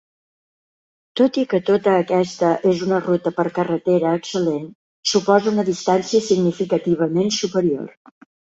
Tot i que tota aquesta és una ruta per carretera excel·lent, suposa una distància significativament superior.